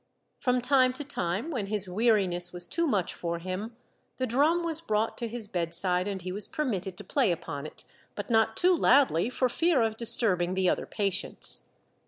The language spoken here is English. From time to time, when his weariness was too much for him, the drum was brought to his bed side and he was permitted to play upon it, but not too loudly, for fear of disturbing the other patients.